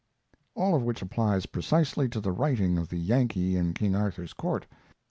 All of which applies precisely to the writing of the Yankee in King Arthur's Court.